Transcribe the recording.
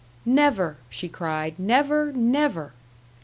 "Never!" she cried. "Never, never!"